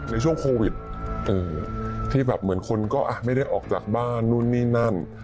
ในช่วงโควิดที่แบบเหมือนคนก็ไม่ได้ออกจากบ้านนู่นนี่นั่น